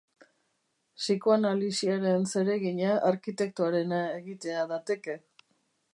Psikoanalisiaren zeregina arkitektoarena egitea dateke.